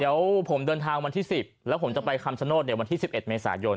เดี๋ยวผมเดินทางวันที่๑๐แล้วผมจะไปคำชโนธวันที่๑๑เมษายน